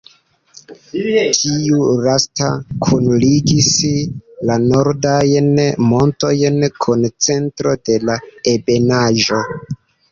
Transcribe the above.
Tiu lasta kunligis la nordajn montojn kun centro de la ebenaĵo.